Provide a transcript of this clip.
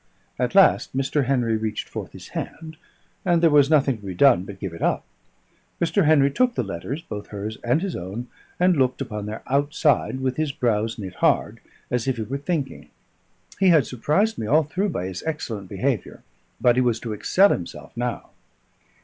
At last Mr. Henry reached forth his hand, and there was nothing to be done but give it up. Mr. Henry took the letters (both hers and his own), and looked upon their outside, with his brows knit hard, as if he were thinking. He had surprised me all through by his excellent behaviour: but he was to excel himself now.